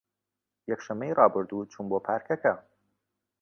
یەکشەممەی ڕابردوو چووم بۆ پارکەکە.